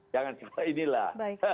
jangan sampai inilah